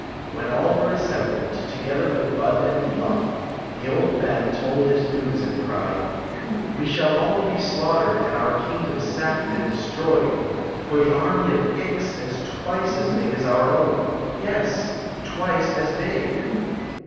When all were assembled, together with Bud and Fluff; (iic old maji told his news and cried: "We shall all be slaughtored and our kingdc»fi sacked and dS^yed, for the army of Ix is twice as big as our own — yes, twice as big